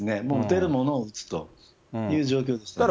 もう打てるものを打つという状況です。